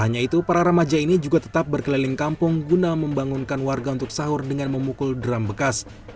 karena itu para remaja ini juga tetap berkeliling kampung guna membangunkan warga untuk sahur dengan memukul dram bekas